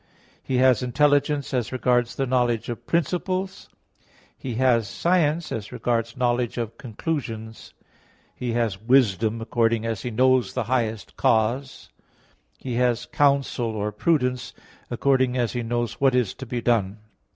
He has intelligence as regards the knowledge of principles; he has science as regards knowledge of conclusions; he has wisdom, according as he knows the highest cause; he has counsel or prudence, according as he knows what is to be done.